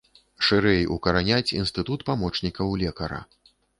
Шырэй укараняць інстытут памочнікаў лекара.